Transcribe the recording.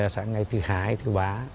sáng ngày thứ hai thứ ba